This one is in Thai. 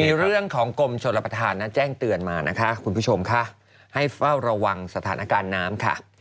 มีเรื่องของกรมชลปฐานแจ้งเตือนมาคุณผู้ชมค่ะให้เฝ้าระวังสถานการณ์น้ำ